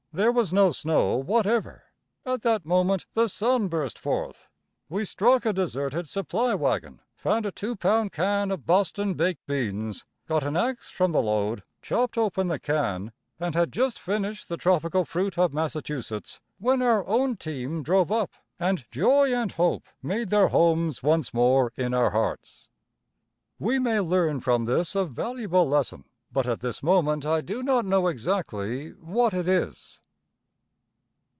There was no snow whatever! At that moment the sun burst forth, we struck a deserted supply wagon, found a two pound can of Boston baked beans, got an axe from the load, chopped open the can, and had just finished the tropical fruit of Massachusetts when our own team drove up, and joy and hope made their homes once more in our hearts. We may learn from this a valuable lesson, but at this moment I do not know exactly what it is.